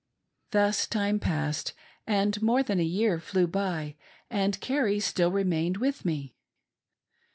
Thus time passed, and more than a year flew by, and Carrie still remained with me.